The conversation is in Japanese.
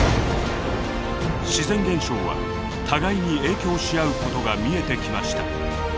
自然現象は互いに影響し合うことが見えてきました。